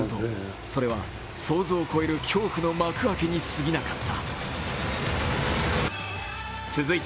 それは想像を超える恐怖の幕開けにすぎなかった。